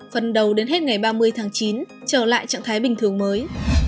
phần đầu đến hết ngày ba mươi tháng chín trở lại trạng thái bình thường mới